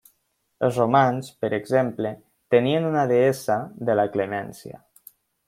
Els romans, per exemple, tenien una deessa de la Clemència.